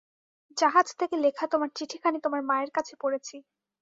জাহাজ থেকে লেখা তোমার চিঠিখানি তোমার মায়ের কাছে পড়েছি।